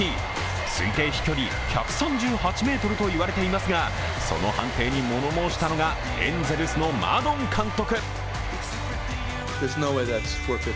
推定飛距離１３８ｍと言われていますが、その判定に物申したのが、エンゼルスのマドン監督。